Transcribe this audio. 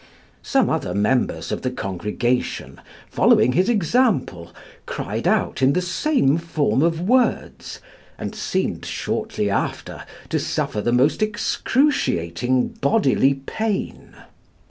Some other members of the congregation, following his example, cried out in the same form of words, and seemed shortly after to suffer the most excruciating bodily pain.